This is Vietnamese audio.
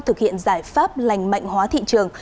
thực hiện giải pháp lành mạnh hóa thị trường